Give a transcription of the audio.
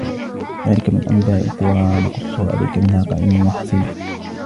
ذَلِكَ مِنْ أَنْبَاءِ الْقُرَى نَقُصُّهُ عَلَيْكَ مِنْهَا قَائِمٌ وَحَصِيدٌ